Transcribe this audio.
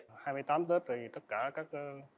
hai mươi tám tết thì tất cả các